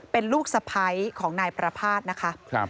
เป็นลูกสะพ้ายของนายประภาษณ์นะคะ